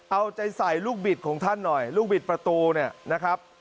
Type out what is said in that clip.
เอาใจใส่ลูกบิดของท่านหน่อยลูกบิดประตูเนี่ยนะครับ